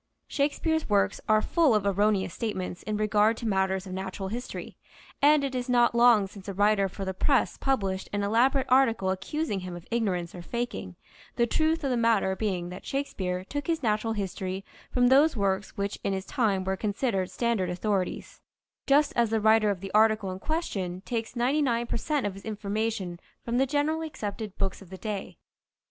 Shakespeare's works . are full of erroneous statements in regard to matters of natural history, and it is not long since a writer for the press published an elabo rate article accusing him of ignorance or faking, the truth of the matter being that Shakespeare took his natural history from those works which in his time were considered standard authorities, just as the writer of the article in ques 177 178 THE SEVEN FOLLIES OF SCIENCE tion takes ninety nine per cent of his information from the generally accepted books of the day.